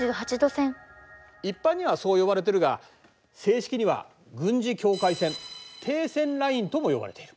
一般にはそう呼ばれてるが正式には軍事境界線停戦ラインとも呼ばれている。